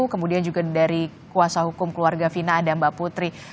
kemudian juga dari kuasa hukum keluarga fina ada mbak putri